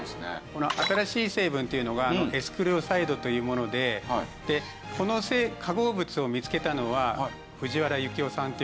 この新しい成分っていうのがエスクレオサイドというものでこの化合物を見つけたのは藤原章雄さんという方なんですね。